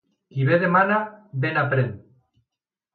Qui bé demana, bé aprèn.